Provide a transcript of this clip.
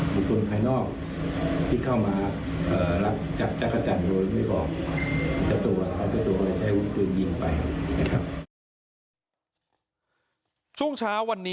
เป็นคนภายนอกที่เข้ามาเอ่อรับจัด